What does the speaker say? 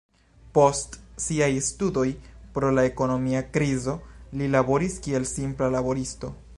Post siaj studoj pro la ekonomia krizo li laboris kiel simpla laboristo.